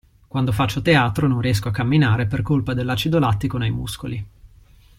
Quando faccio teatro non riesco a camminare per colpa dell'acido lattico nei muscoli.